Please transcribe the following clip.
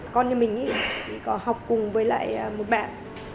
con như mình có học cùng với lại một bạn